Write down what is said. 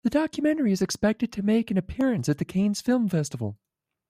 The documentary is expected to make an appearance at the Cannes film festival.